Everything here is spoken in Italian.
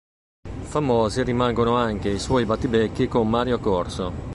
Famosi rimangono anche i suoi battibecchi con Mario Corso.